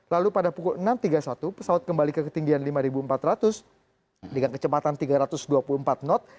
lalu pada pukul enam tiga puluh satu pesawat kembali ke ketinggian lima empat ratus dengan kecepatan tiga ratus dua puluh empat knot